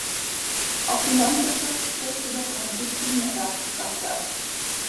Auch die Landwirtschaft stellt jedoch einen wichtigen Erwerbszweig dar.